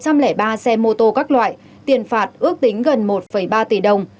và xe mô tô các loại tiền phạt ước tính gần một ba tỷ đồng